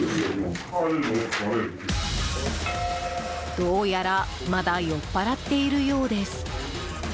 どうやらまだ酔っ払っているようです。